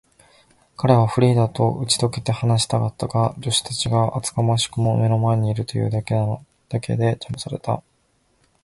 彼はフリーダとうちとけて話したかったが、助手たちが厚かましくも目の前にいるというだけで、じゃまされた。